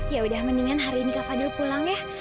ya udah mendingan hari ini kak fadil pulang ya